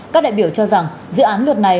các đại biểu cho rằng dự án luật này